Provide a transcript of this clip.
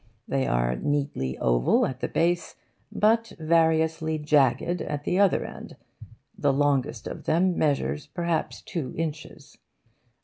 They are neatly oval at the base, but variously jagged at the other end. The longest of them measures perhaps two inches.